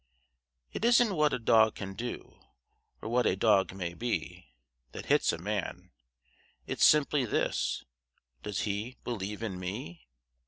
It isn't what a dog can do, or what a dog may be, That hits a man. It's simply this does he believe in me?